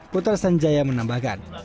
putra sanjaya menambahkan